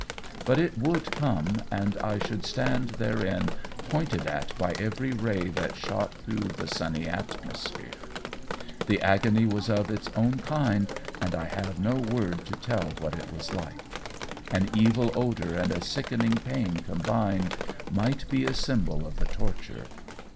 But it would come, and I should stand therein pointed at by every ray that shot through the sunny atmosphere! "The agony was of its own kind, and I have no word to tell what it was like. An evil odour and a sickening pain combined, might be a symbol of the torture.